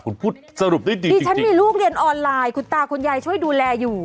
คุณพูดสรุปได้ดีดิฉันมีลูกเรียนออนไลน์คุณตาคุณยายช่วยดูแลอยู่